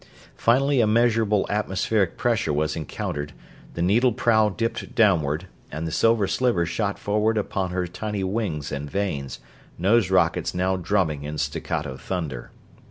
Finally a measurable atmospheric pressure was encountered, the needle prow dipped downward, and the Silver Sliver shot forward upon her tiny wings and vanes, nose rockets now drumming in staccato thunder.